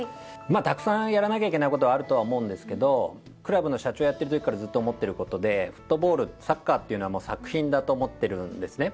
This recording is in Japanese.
まあたくさんやらなきゃいけないことはあるとは思うんですけどクラブの社長をやってるときからずっと思ってることでフットボールサッカーっていうのは作品だと思ってるんですね。